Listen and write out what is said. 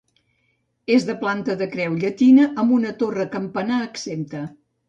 És de planta de creu llatina amb una torre campanar exempta.